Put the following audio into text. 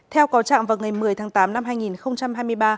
theo cáo trạng vào ngày một mươi tháng tám năm hai nghìn hai mươi ba